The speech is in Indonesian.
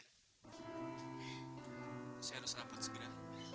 saya harus rapat segera